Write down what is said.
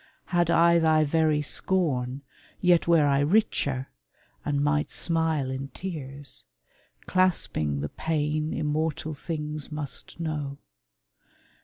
Had I thy very scorn, Yet were I richer, and might smile in tears, Clasping the pain immortal things must know.